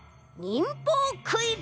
忍法クイズ？